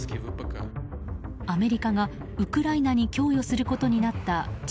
アメリカがウクライナに供与することになった地